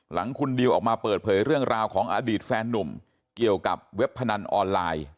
หลังคุณดิวออกมาเปิดเผยเรื่องราวของอดีตแฟนนุ่มเกี่ยวกับเว็บพนันออนไลน์